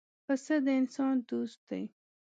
پسه د انسان دوست دی.